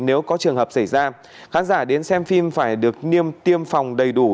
nếu có trường hợp xảy ra khán giả đến xem phim phải được niêm tiêm phòng đầy đủ